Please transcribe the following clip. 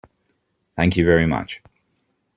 Thank you very much.